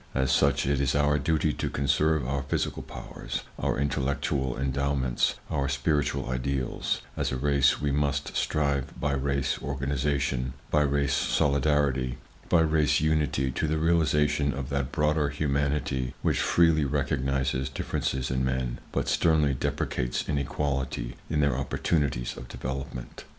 As such, it is our duty to conserve our physical powers, our intellectual endowments, our spiritual ideals; as a race we must strive by race organization, by race solidarity, by race unity to the realization of that broader humanity which freely recognizes differences in men, but sternly deprecates inequality in their opportunities of development.